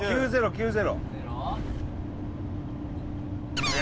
３！０９０。